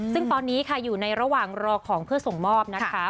ซึ่งตอนนี้ค่ะอยู่ในระหว่างรอของเพื่อส่งมอบนะคะ